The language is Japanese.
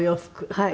はい。